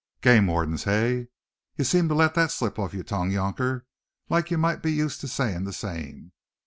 "Game wardens, hey? Ye seem to let that slip off yer tongue, younker, like ye might be used to sayin' the same.